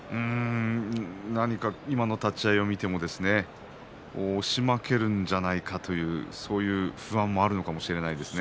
何か今の立ち合いを見ても押し負けるんじゃないかというそういう不安もあるのかもしれません。